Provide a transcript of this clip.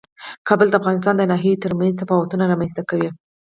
کابل د افغانستان د ناحیو ترمنځ تفاوتونه رامنځ ته کوي.